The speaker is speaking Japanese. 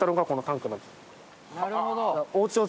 なるほど。